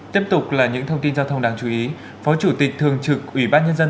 tiếp tục là những thông tin giao thông đáng chú ý phó chủ tịch thường trực ủy ban nhân dân